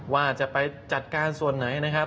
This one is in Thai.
ว่าจะไปจัดการส่วนไหนนะครับ